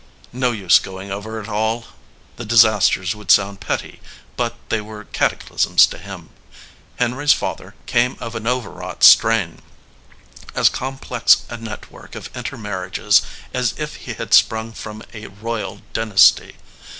No use going over it all. The disasters would sound petty, but they were cataclysms to him. Henry s father came of an overwrought strain as complex a network of intermarriages as if he had sprung from a royal dynasty.